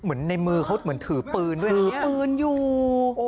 เหมือนในมือเขาเหมือนถือปืนถือปืนอยู่